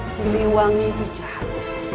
siliwangi itu jahat